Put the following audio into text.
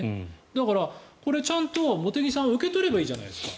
だから、ちゃんと茂木さんは受け取ればいいじゃないですか。